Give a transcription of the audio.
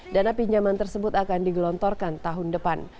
dana pinjaman tersebut akan digelontorkan tahun depan